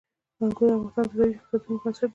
انګور د افغانستان د ځایي اقتصادونو بنسټ دی.